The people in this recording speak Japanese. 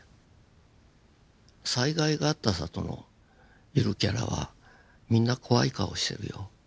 災害があった里のゆるキャラはみんな怖い顔をしてるよ。